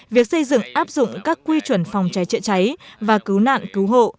việc xây dựng áp dụng các quy chuẩn phòng cháy chữa cháy và cứu nạn cứu hộ